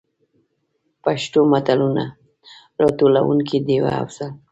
پښتو متلونو: راټولونکې ډيـوه افـضـل.